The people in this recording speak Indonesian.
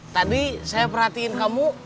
tadi saya perhatiin kamu